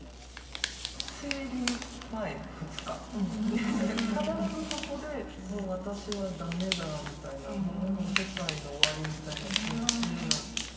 生理前２日、必ずそこで、もう私はだめだみたいな、もう世界の終わりみたいな気持ちになる。